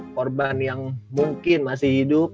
korban yang mungkin masih hidup